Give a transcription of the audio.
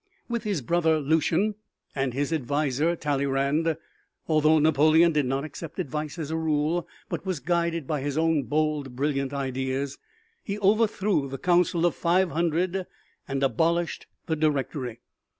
With his brother Lucien, and his advisor Talleyrand although Napoleon did not accept advice as a rule, but was guided by his own bold, brilliant ideas, he overthrew the Council of Five Hundred and abolished the Directory.